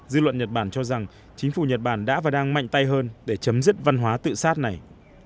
dư luận nhật bản cho rằng chính phủ nhật bản đã và đang mạnh tay hơn để chấm dứt văn hóa tự sát này